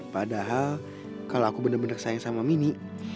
padahal kalau aku bener bener sayang sama mini